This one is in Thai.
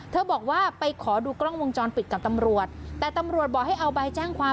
บอกว่าไปขอดูกล้องวงจรปิดกับตำรวจแต่ตำรวจบอกให้เอาใบแจ้งความ